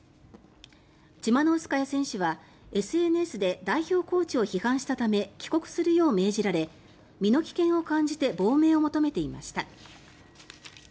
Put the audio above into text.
チマノウスカヤ選手は、ＳＮＳで代表コーチを批判したため帰国するよう命じられ身の危険を感じて亡命を求めていました。